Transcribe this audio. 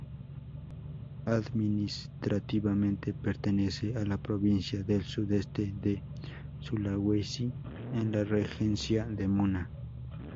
Administrativamente pertenece a la provincia del sudeste de Sulawesi, en la regencia de Muna.